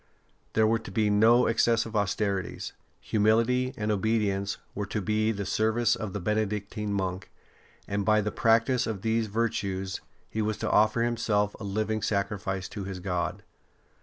There were to be no excessive austerities; humility and obedience were to be the service of the Benedictine monk, and by the practice of these virtues he was to offer himself a living sacrifice to his God.